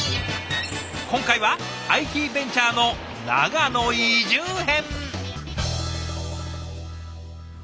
今回はＩＴベンチャーの長野移住編。